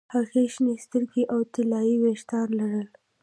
هغې شنې سترګې او طلايي ویښتان لرل